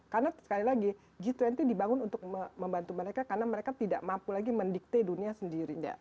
karena sekali lagi g dua puluh dibangun untuk membantu mereka karena mereka tidak mampu lagi mendikte dunia sendiri